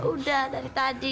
udah dari tadi